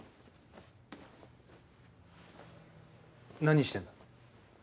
・何してんだ。